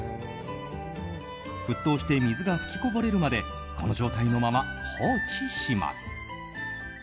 沸騰して水が噴きこぼれるまでこの状態のまま放置します。